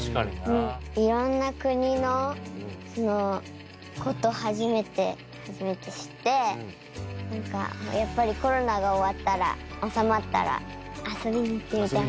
いろんな国の事を初めて初めて知ってなんかやっぱりコロナが終わったら収まったら遊びに行ってみたい。